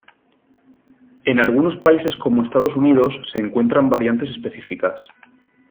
En algunos países como Estados Unidos se encuentran variantes específicas.